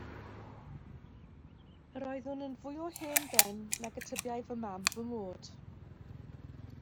Yr oeddwn yn fwy o hen ben nag y tybiai fy mam fy mod.